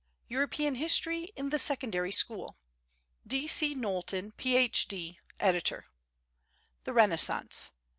European History in the Secondary School D.C. KNOWLTON, PH.D., Editor. THE RENAISSANCE.